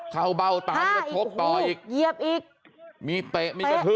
เข้าเบ้าตาชกต่ออีก